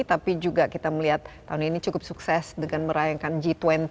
tapi juga kita melihat tahun ini cukup sukses dengan merayakan g dua puluh